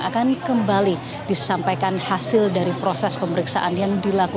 akan kembali disampaikan hasil dari proses pemeriksaan yang dilakukan